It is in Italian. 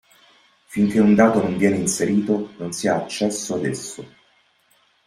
Finché un dato non viene inserito, non si ha accesso ad esso.